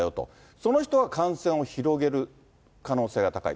その人が感染を広げる可能性が高い。